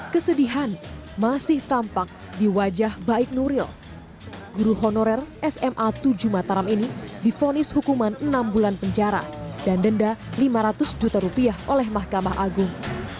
kesedihan masih tampak di wajah baik nuril guru honorer sma tujuh mataram ini difonis hukuman enam bulan penjara dan denda lima ratus juta rupiah oleh mahkamah agung